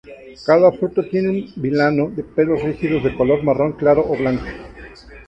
Cada fruto tiene un vilano de pelos rígidos de color marrón claro o blanco.